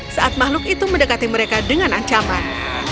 saat makhluk itu mendekati mereka dengan ancaman